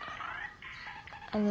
あの。